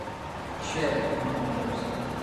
Sure!, among others.